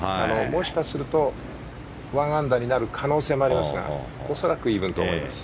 もしかすると、１アンダーになる可能性もありますが恐らくイーブンだと思います。